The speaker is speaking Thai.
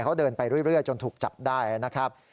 เขาเดินไปเรื่อยจนถูกจับได้นะครับ